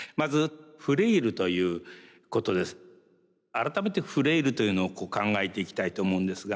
改めてフレイルというのを考えていきたいと思うんですが。